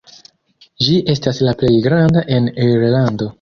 Ĝi estas la plej granda en Irlando.